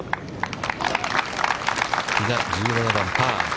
比嘉、１７番パー。